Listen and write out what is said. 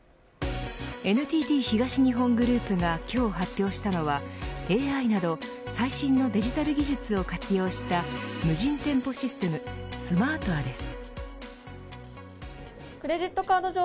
ＮＴＴ東日本グループが今日発表したのは、ＡＩなど最新のデジタル技術を活用した無人店舗システムスマートアです。